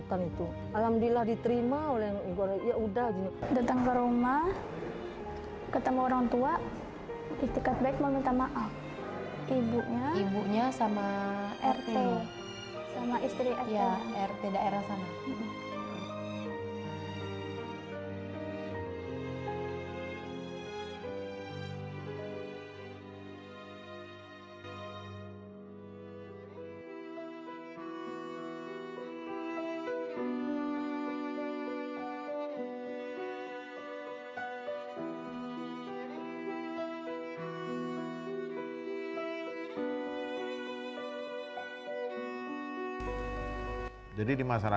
anak dan saudara